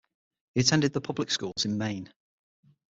He attended the public schools in Maine.